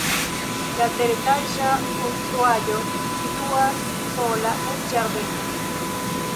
La teretaĝa konstruaĵo situas sola en ĝardeno.